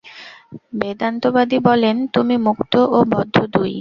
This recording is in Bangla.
বেদান্তবাদী বলেন, তুমি মুক্ত ও বদ্ধ দুই-ই।